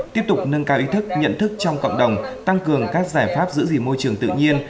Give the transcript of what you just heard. tiếp tục nâng cao ý thức nhận thức trong cộng đồng tăng cường các giải pháp giữ gìn môi trường tự nhiên